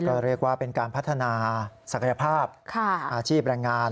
ก็เรียกว่าเป็นการพัฒนาศักยภาพอาชีพแรงงาน